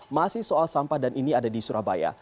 masih soal sampah dan ini ada di surabaya